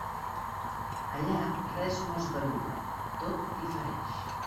Allà res no es belluga, tot difereix.